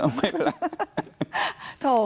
ไม่เป็นไร